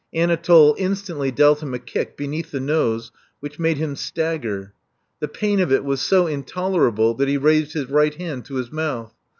Anatole instantly dealt him a kick beneath the nose which made him stagger. The pain of it was so intolerable that he raised his right hand to his mouth.